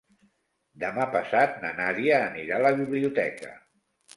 Demà passat na Nàdia anirà a la biblioteca.